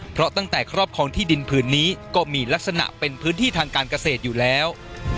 เพราะตั้งแต่ครอบครองที่ดินผืนนี้ก็มีลักษณะเป็นพื้นที่ทางการเกษตรอยู่แล้ว